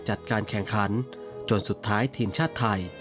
จัดการแข่งขันจนสุดท้ายทีมชาติไทย